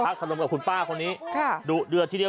พระธรรมกับคุณป้าโจรสักที